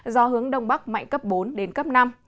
gió hướng đông bắc mạnh cấp bốn đến cấp năm